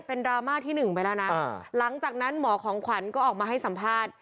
เป็นดราม่าที่หนึ่งไปแล้วนะหลังจากนั้นหมอของขวัญก็ออกมาให้สัมภาษณ์